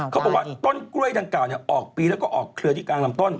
เขาบอกว่าต้นกล้วยดังกล่าวออกปีแล้วก็ออกเครือที่กลางลำต้น